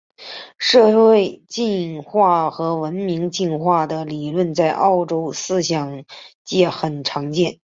社会进化和文化进化的理论在欧洲思想界很常见。